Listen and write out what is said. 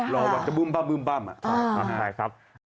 รอบ้างจะบู้มอ่ะ